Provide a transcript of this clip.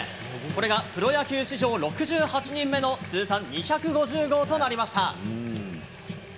これがプロ野球史上６８人目の通算２５０号となりました。